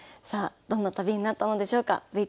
さあどんな旅になったのでしょうか。